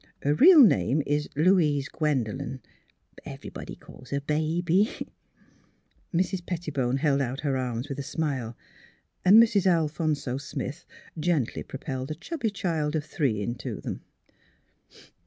Her real name is Louise Gwendolen; but every body calls her Baby." Mrs. Pettibone held out her arms with a smile, PLAYING MOTHER 261 and Mrs. Alplionso Smith gently propelled a chubby child of three into them.